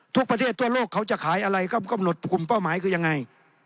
ประเทศทั่วโลกเขาจะขายอะไรก็กำหนดกลุ่มเป้าหมายคือยังไง